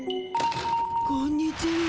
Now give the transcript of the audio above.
こんにちは。